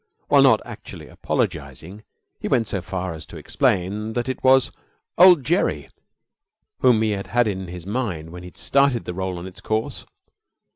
While not actually apologizing, he went so far as to explain that it was "old Gerry" whom he had had in his mind when he started the roll on its course.